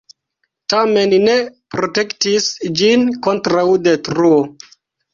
Tamen ne protektis ĝin kontraŭ detruo.